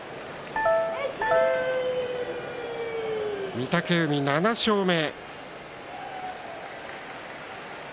御嶽海は７勝目。